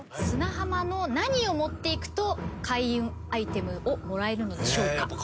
砂浜の何を持っていくと開運アイテムをもらえるのでしょうか？